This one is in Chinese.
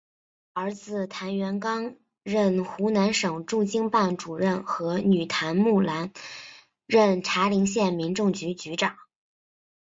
儿子谭元刚任湖南省驻京办主任和女谭木兰任茶陵县民政局局长。